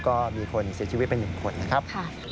ก็มีคนเสียชีวิตเป็นหนึ่งคนนะครับ